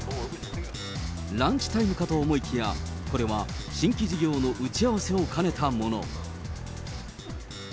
ランチタイムかと思いきや、これは新規事業の打ち合わせを兼ねたもの。